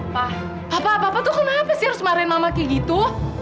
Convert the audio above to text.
papa papa papa tuh kenapa sih harus marahin mama kayak gitu